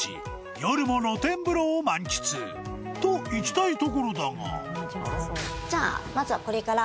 夜も露天風呂を満喫といきたいところだが］